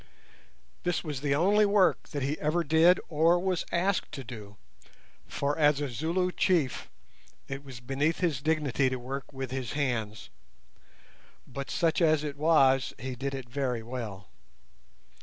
This was the only work that he ever did or was asked to do, for as a Zulu chief it was beneath his dignity to work with his hands; but such as it was he did it very well.